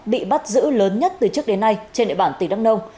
bị bắt giữ lớn nhất từ trước đến nay trên địa bàn tỉnh đắk nông